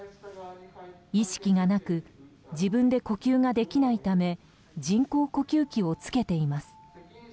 意識がなく自分で呼吸ができないため人工呼吸器を着けています。